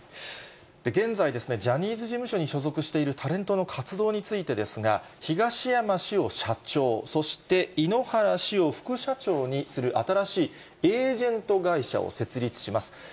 現在、ジャニーズ事務所に所属しているタレントの活動についてですが、東山氏を社長、そして井ノ原氏を副社長にする新しいエージェント会社を設立します。